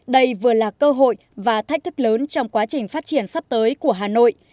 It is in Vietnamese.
đây vừa là cơ hội và thách thức lớn trong quá trình phát triển sắp tới của hà nội